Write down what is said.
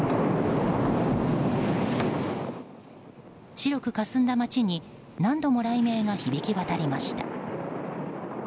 白くかすんだ街に何度も雷鳴が響き渡りました。